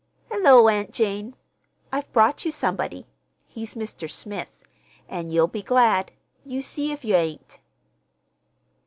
"Hullo, Aunt Jane! I've brought you somebody. He's Mr. Smith. An' you'll be glad. You see if yer ain't!"